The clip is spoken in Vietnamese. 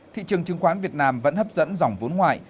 thị trường chứng khoán việt nam vẫn hấp dẫn dòng vốn ngoại